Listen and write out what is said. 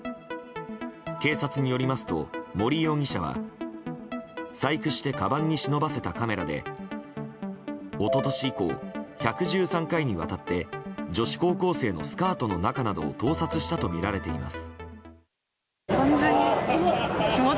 警察によりますと、森容疑者は細工してかばんに忍ばせたカメラで一昨年以降、１１３回にわたって女子高校生のスカートの中などを盗撮したとみられています。